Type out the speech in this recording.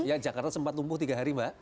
ya jakarta sempat lumpuh tiga hari mbak